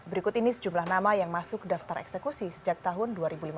berikut ini sejumlah nama yang masuk daftar eksekusi sejak tahun dua ribu lima belas